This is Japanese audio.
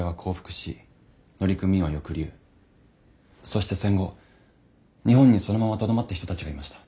そして戦後日本にそのままとどまった人たちがいました。